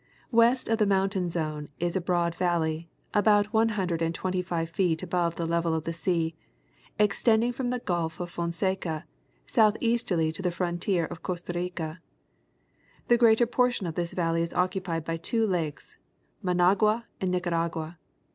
West of the mountain zone is a broad valley, about one hun dred and twenty iive feet above the level of the sea, extending from the Gulf of Fonseca, southeasterly to the frontier of Costa Rica. The greater portion of this valley is occupied by two lakes, Managua and Nicaragua.